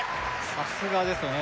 さすがですよね